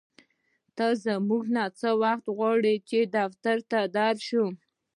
ته مونږ څه وخت غواړې چې دفتر ته در شو